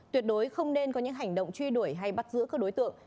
tuyệt đối không nên có những hành động truy đuổi hay bắt giữ các đối tượng